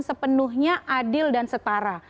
sepenuhnya adil dan setara